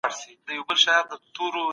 هضم یې ګران وي.